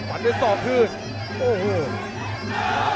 วันด้วยสองพื้นโอ้โห